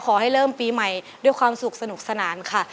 ขอให้เริ่มปีใหม่ด้วยความสุขสนุกสนานค่ะ